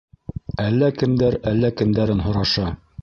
Әллә кемдәр әллә кемдәрен һораша.